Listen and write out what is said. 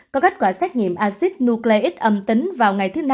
có kết quả xét nghiệm acid nucleic âm tính vào ngày thứ năm